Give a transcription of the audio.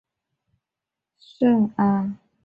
圣阿卢埃斯特尔。